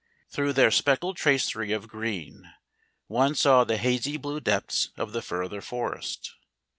Through their speckled tracery of green one saw the hazy blue depths of the further forest.